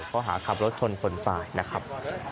ข้อหาขับรถชนคนตายนะครับ